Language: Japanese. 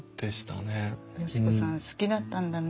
嘉子さん好きだったんだね